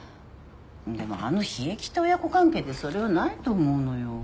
でもあの冷えきった親子関係でそれはないと思うのよ。